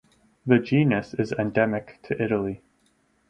The genus is endemic to Italy.